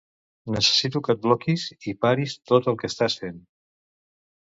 Necessito que et bloquis i paris tot el que estàs fent.